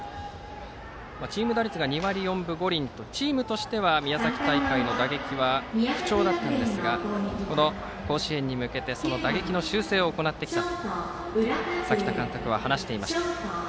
チーム打率が２割４分５厘とチームとしては宮崎大会の打撃は不調だったんですがこの甲子園に向けて打撃の修正を行ってきたと崎田監督は話していました。